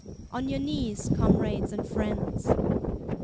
On your knees, comrades and friends!